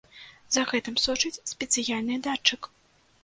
За гэтым сочыць спецыяльны датчык.